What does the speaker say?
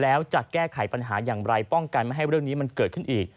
แล้วจะแก้ไขปัญหาป้องกันให้เรื่องนี้มันเกิดขึ้นอีก